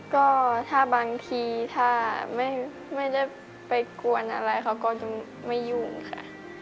ก็ถ้าบางทีถ้าไม่ได้ไปกวนอะไรเขาก็จะไม่ยุ่งค่ะ